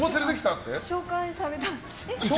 紹介されたんです。